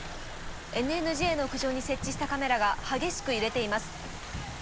ＮＮＪの屋上に設置したカメラが激しく揺れています。